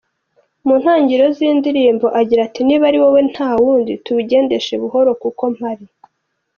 Mu ntangiriro z’indirimbo agira ati “Niba ari wowe ntawundi, tubigendeshe buhoro kuko mpari.